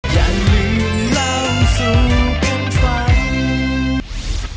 อย่าลืมเล่าสู่กันฟัง